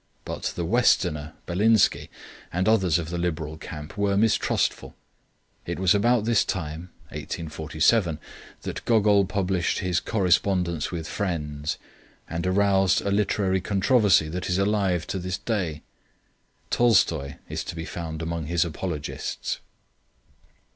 But the "Westerner" Belinsky and others of the liberal camp were mistrustful. It was about this time (1847) that Gogol published his Correspondence with Friends, and aroused a literary controversy that is alive to this day. Tolstoi is to be found among his apologists.